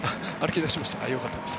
よかったです。